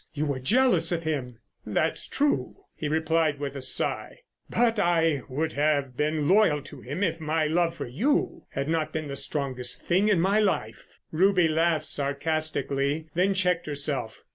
You were jealous of him." "That's true," he replied with a sigh. "But I would have been loyal to him if my love for you had not been the strongest thing in my life." Ruby laughed sarcastically, then checked herself.